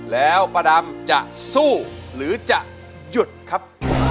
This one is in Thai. แล้วป้าดำจะสู้หรือจะหยุดครับ